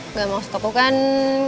enggak maksud aku kan